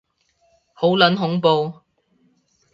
好撚恐怖